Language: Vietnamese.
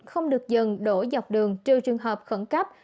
không được dừng đổ dọc đường trừ trường hợp khẩn cấp